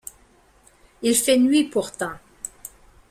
Il fait nuit pourtant.